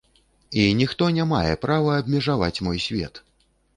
І ніхто не мае права абмежаваць мой свет.